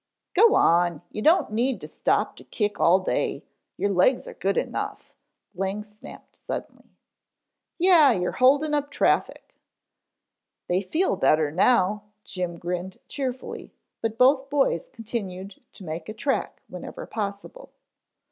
"Go on, you don't need to stop to kick all day. Your legs are good enough," Lang snapped suddenly. "Yeh, you're holdin' up traffic." "They feel better now," Jim grinned cheerfully, but both boys continued to make a track whenever possible.